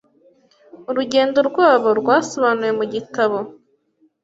Urugendo rwabo rwasobanuwe mu gitabo